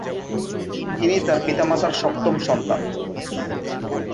তিনি তার পিতামাতার সপ্তম সন্তান।